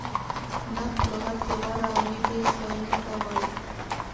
نعت په لغت کې غوره او نېکې ستایینې ته وایي.